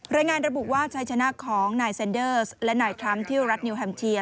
รายงานระบุว่าชัยชนะของนายเซ็นเดอร์และนายทรัมป์ที่รัฐนิวแฮมเทีย